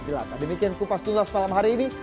jelata demikian kupas tuntas malam hari ini